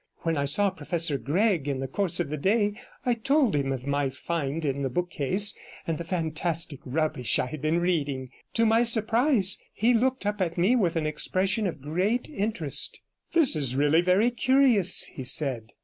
When I saw Professor Gregg in the course of the day, I told him of my find in the bookcase, and the fantastic rubbish I had been reading. To my surprise he looked up at me with an expression of great interest. 'That is really very curious,' he said.